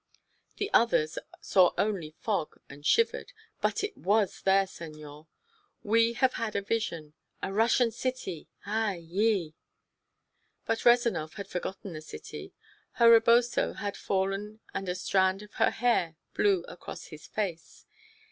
"The others saw only fog and shivered. But it was there, senor! We have had a vision. A Russian city! Ay, yi!" But Rezanov had forgotten the city. Her reboso had fallen and a strand of her hair blew across his face.